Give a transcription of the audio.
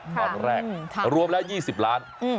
ตอนแรกรวมแล้ว๒๐ล้าน